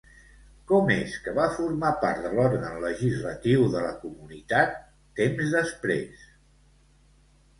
Com és que va formar part de l'òrgan legislatiu de la comunitat temps després?